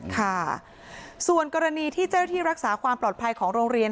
ค่ะส่วนกรณีที่เจ้าหน้าที่รักษาความปลอดภัยของโรงเรียน